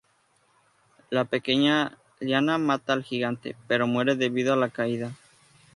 La pequeña Lyanna mata al gigante, pero muere debido a la caída.